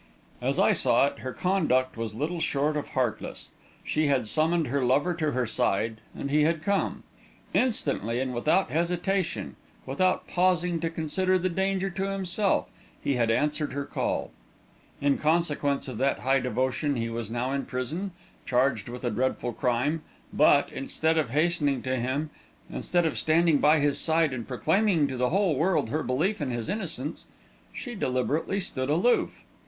As I saw it, her conduct was little short of heartless. She had summoned her lover to her side, and he had come; instantly and without hesitation, without pausing to consider the danger to himself, he had answered her call; in consequence of that high devotion, he was now in prison, charged with a dreadful crime; but, instead of hastening to him, instead of standing by his side and proclaiming to the whole world her belief in his innocence, she deliberately stood aloof.